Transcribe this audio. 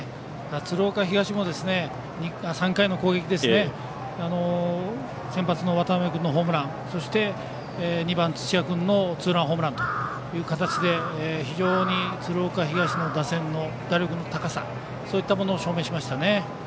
鶴岡東も、３回の攻撃では先発の渡辺君のホームランそして２番、土屋君のツーランホームランという形で非常に鶴岡東の打力の高さそういったものを証明しましたね。